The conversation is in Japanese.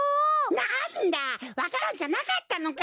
なんだわか蘭じゃなかったのか。